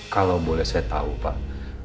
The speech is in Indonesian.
kalau boleh saya tahu pak